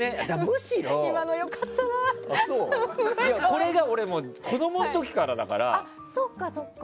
これが俺、子供の時からだから。